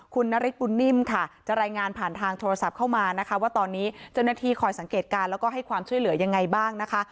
คุณนฤทธบุญนิ่มค่ะจะรายงานผ่านทางโทรศัพท์เข้ามานะคะว่าตอนนี้เจ้าหน้าที่คอยสังเกตการณ์แล้วก็ให้ความช่วยเหลือยังไงบ้างนะคะ